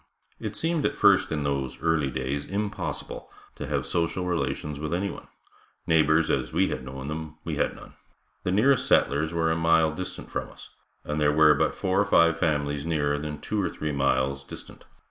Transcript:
It seemed at first in those early days impossible to have social relations with anyone. Neighbors as we had known them, we had none. The nearest settlers were a mile distant from us, and there were but four or five families nearer than two or three miles distant.